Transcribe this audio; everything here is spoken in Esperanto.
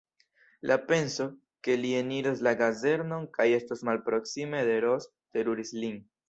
La penso, ke li eniros la kazernon kaj estos malproksime de Ros, teruris lin.